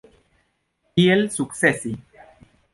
Kiel sukcesi?